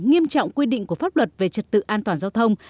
nghiêm trọng quy định của pháp luật về trật tự an toàn giao thông